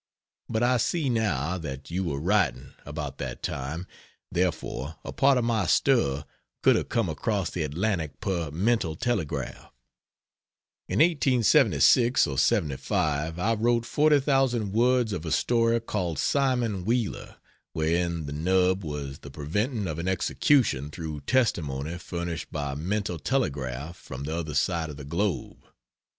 But I see now, that you were writing, about that time, therefore a part of my stir could have come across the Atlantic per mental telegraph. In 1876 or '75 I wrote 40,000 words of a story called "Simon Wheeler" wherein the nub was the preventing of an execution through testimony furnished by mental telegraph from the other side of the globe.